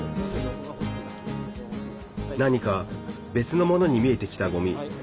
何か別のものに見えてきたごみ。